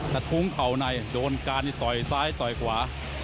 สะทุงเขาในโดนการที่ต่อยซ้ายต่อยขวา